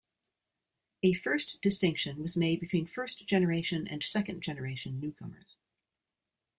A first distinction was made between first-generation and second-generation newcomers.